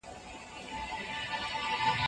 که هغه د انتيکو بازار ته ولاړ سي، خوشحاله به سي.